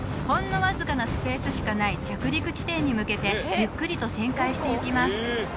ほんのわずかなスペースしかない着陸地点に向けてゆっくりと旋回していきます